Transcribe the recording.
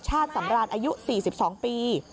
ชาติสำราญอายุ๔๒ปี